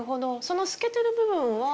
その透けてる部分は？